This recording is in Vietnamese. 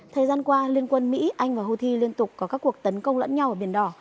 thời gian qua liên quân mỹ anh và houthi liên tục có các cuộc tấn công lẫn nhau ở biển đỏ